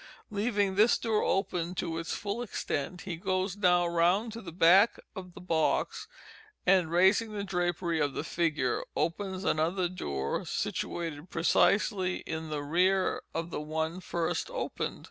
Leaving this door open to its full extent, he goes now round to the back of the box, and raising the drapery of the figure, opens another door situated precisely in the rear of the one first opened.